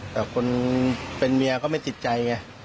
แต่คนเป็นเมียก็ไม่ติดใจไง